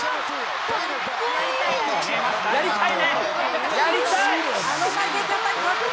やりたい。